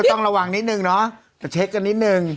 ต้องระวังนิดนึงเนาะแต่เช็คกันนิดนึง